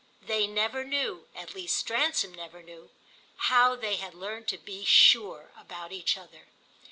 They never knew—at least Stransom never knew—how they had learned to be sure about each other.